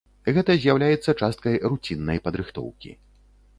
Гэта з'яўляецца часткай руціннай падрыхтоўкі.